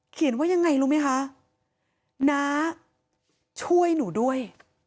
ว่ายังไงรู้ไหมคะน้าช่วยหนูด้วย